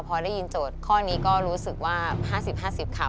พอได้ยินโจทย์ข้อนี้ก็รู้สึกว่า๕๐๕๐ค่ะ